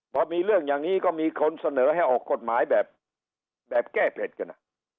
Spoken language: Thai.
พอมีเรื่องอย่างนี้ก็มีคนเสนอให้ออกกฎหมายแบบแก้เกล็ดกัน